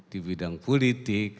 di bidang politik